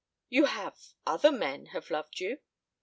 "You have other men have loved you."